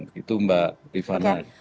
gitu mbak rifat